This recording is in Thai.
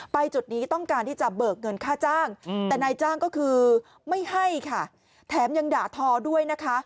จุดนี้ต้องการที่จะเบิกเงินค่าจ้างแต่นายจ้างก็คือไม่ให้ค่ะแถมยังด่าทอด้วยนะคะ